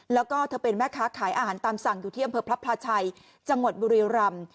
แล้วก็เธอเป็นแม่ค้าขายอาหารตามสั่งอยู่ที่อำเภอพระพลาชัยจังหวัดบุรีรำ